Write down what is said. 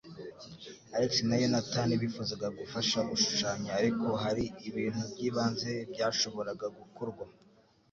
Alex na Yonatani bifuzaga gufasha gushushanya, ariko hari ibintu by'ibanze byashoboraga gukorwa.